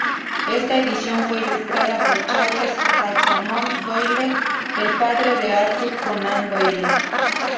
Esta edición fue ilustrada por Charles Altamont Doyle, el padre de Arthur Conan Doyle.